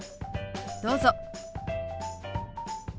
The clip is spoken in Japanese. どうぞ。